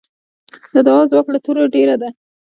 د دعا ځواک له توره ډېر دی.